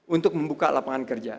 untuk membuka lapangan kerja